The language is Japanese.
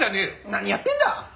何やってんだ！